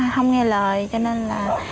không nghe lời cho nên là